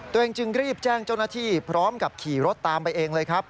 จึงรีบแจ้งเจ้าหน้าที่พร้อมกับขี่รถตามไปเองเลยครับ